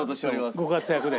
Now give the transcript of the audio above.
ご活躍で。